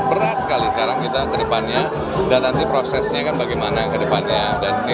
berat sekali sekarang kita ke depannya dan nanti prosesnya kan bagaimana kedepannya dan ini